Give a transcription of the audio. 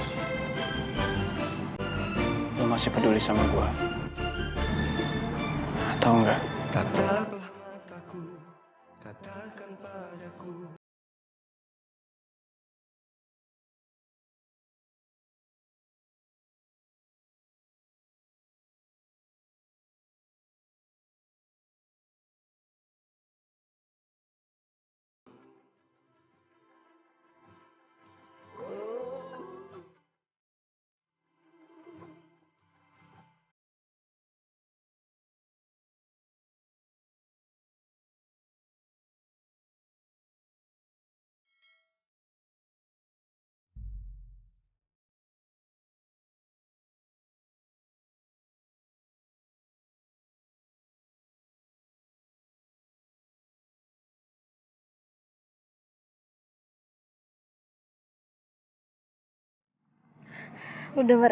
hai lo masih peduli sama gua